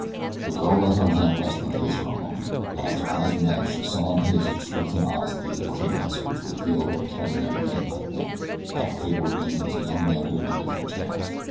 The girl let her hand rest in his for a moment, and as their eyes met she saw in his a truth and honesty and cleanness which revealed what Theriere might have been had Fate ordained his young manhood to different channels.